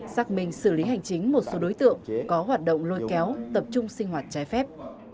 xác minh xử lý hành chính một số đối tượng có hoạt động lôi kéo tập trung sinh hoạt trái phép